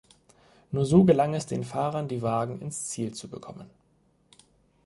Nur so gelang es den Fahrern die Wagen ins Ziel zu bekommen.